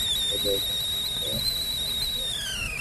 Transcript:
আমি তোমাকে কিস করার আগেই কেটে পড়ো!